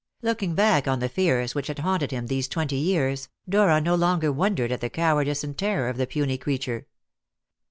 Looking back on the fears which had haunted him these twenty years, Dora no longer wondered at the cowardice and terror of the puny creature.